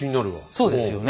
そうですよね。